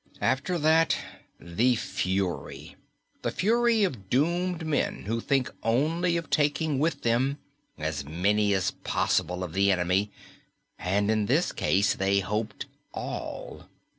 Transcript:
After that, the Fury. The Fury of doomed men who think only of taking with them as many as possible of the enemy, and in this case they hoped all.